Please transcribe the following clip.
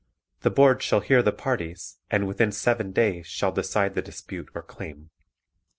The Board shall hear the parties and within seven (7) days shall decide the dispute or claim.